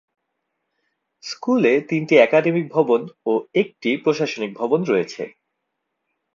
স্কুলে তিনটি একাডেমিক ভবন ও একটি প্রশাসনিক ভবন রয়েছে।